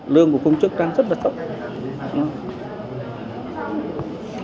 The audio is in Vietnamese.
lương của công chức đang rất là tốt